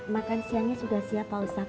makan siangnya sudah siap pak ustadz